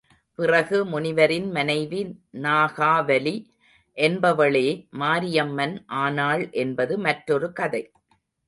பிறகு முனிவரின் மனைவி நாகாவலி என்பவளே மாரியம்மன் ஆனாள் என்பது மற்றொரு கதை.